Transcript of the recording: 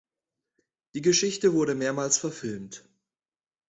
Die Geschichte wurde mehrmals verfilmt.